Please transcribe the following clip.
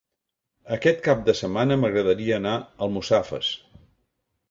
Aquest cap de setmana m'agradaria anar a Almussafes.